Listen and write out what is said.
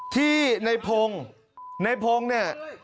ที่ในพงศ์ในพงศ์เนี่ย